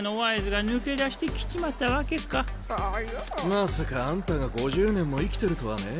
まさかあんたが５０年も生きてるとはねぇ。